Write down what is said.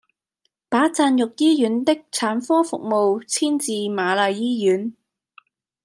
把贊育醫院的產科服務遷至瑪麗醫院